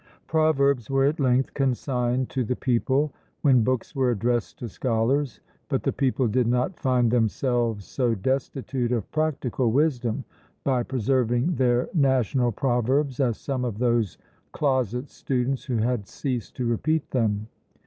Proverbs were at length consigned to the people, when books were addressed to scholars; but the people did not find themselves so destitute of practical wisdom, by preserving their national proverbs, as some of those closet students who had ceased to repeat them.